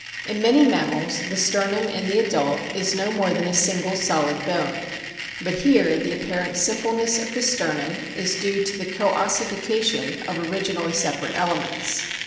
In many mammals the sternum in the adult is no more than a single solid bone ; but here the apparent simpleness of the sternum is due to the co ossification of originally separate elements.